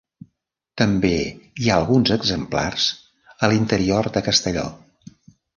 També hi ha alguns exemplars a l'interior de Castelló.